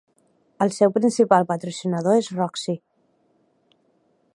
El seu principal patrocinador és Roxy.